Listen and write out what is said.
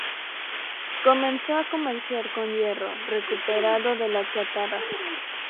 Comenzó a comerciar con hierro recuperado de la chatarra.